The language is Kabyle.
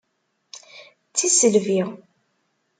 D tisselbi!